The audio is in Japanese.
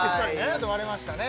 ちょっと割れましたね